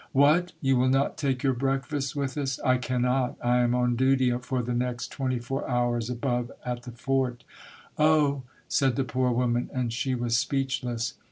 " What ! You will not take your breakfast with us?" " I cannot. I am on duty for the next twenty four hours, above, at the fort." *' Oh !" said the poor woman, and she was speechless.